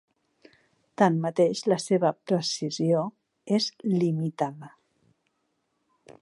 Tanmateix la seva precisió és limitada.